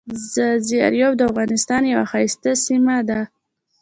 ځاځي اریوب دافغانستان یوه ښایسته سیمه ده.